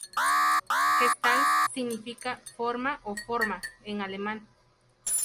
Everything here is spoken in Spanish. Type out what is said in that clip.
Gestalt significa "forma" o "forma" en alemán.